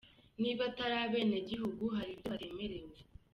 Niba atari abenegihugu hari ibyo batemerewe.